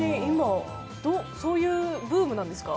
そういうブームなんですか？